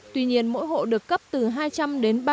tuy nhiên mỗi hộ được cấp từ hai trăm linh đến ba trăm linh